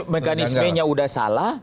mekanismenya sudah salah